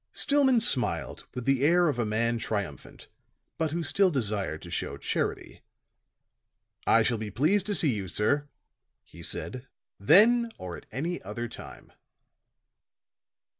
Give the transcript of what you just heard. Stillman smiled with the air of a man triumphant, but who still desired to show charity. "I shall be pleased to see you, sir," he said, "then or at any other time."